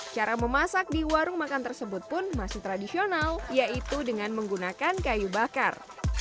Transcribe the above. cara memasak di warung makan tersebut pun masih tradisional yaitu dengan menggunakan kayu bakar